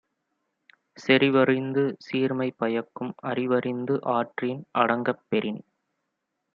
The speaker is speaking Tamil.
செறிவறிந்து சீர்மை பயக்கும் அறிவறிந்து ஆற்றின் அடங்கப் பெறின்